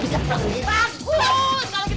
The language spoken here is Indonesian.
gua juga bisa pelangganin